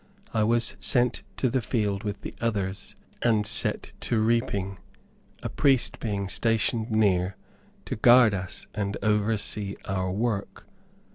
I was sent to the field with the others, and set to reaping; a priest being stationed near, to guard us and oversee our work.